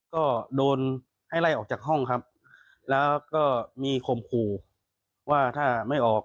ก็โดนให้ไล่ออกจากห้องครับแล้วก็มีข่มขู่ว่าถ้าไม่ออก